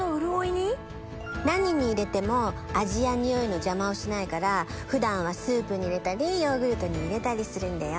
何に入れても味や匂いの邪魔をしないから普段はスープに入れたりヨーグルトに入れたりするんだよ。